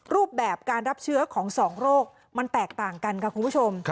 รูปแบบการรับเชื้อของสองโรคมันแตกต่างกันค่ะคุณผู้ชม